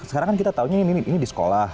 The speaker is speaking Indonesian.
sekarang kan kita tahunya ini di sekolah